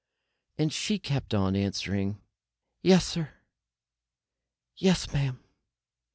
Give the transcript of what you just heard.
And she kept on answering: "Yes, sir." "Yes, ma'am."